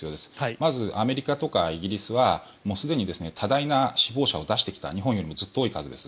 まず、アメリカとかイギリスはすでに多大な死亡者を出してきた日本よりもずっと多い数です。